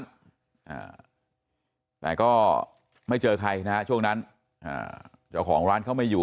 ร้านแต่ก็ไม่เจอใครนะช่วงนั้นเดี๋ยวของร้านเข้าไม่อยู่